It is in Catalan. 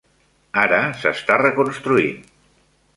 Ara s'està reconstruint.